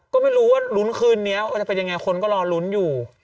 ก็ไม่รู้ว่าลุ้นคืนนี้มันจะเป็นยังไงคนก็รอลุ้นอยู่